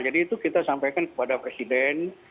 jadi itu kita sampaikan kepada presiden